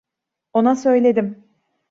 Ona söyledim.